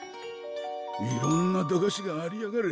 いろんな駄菓子がありやがる！